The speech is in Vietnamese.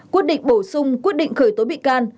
quyết định bổ sung quyết định khởi tố bị can